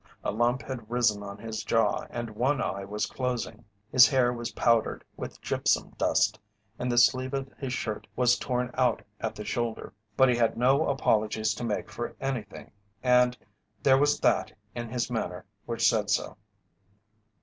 A lump had risen on his jaw and one eye was closing, his hair was powdered with gypsum dust, and the sleeve of his shirt was torn out at the shoulder, but he had no apologies to make for anything and there was that in his manner which said so.